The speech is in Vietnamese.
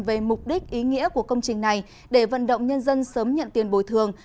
về mục đích ý nghĩa của công trình này để vận động nhân dân sớm nhận tiền bồi thường